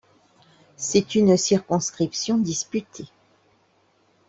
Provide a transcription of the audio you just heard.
C'est une circonscription disputée.